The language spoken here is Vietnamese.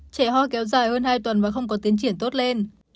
trẻ ho kéo dài hơn hai tuần và không có tiến triển tốt lên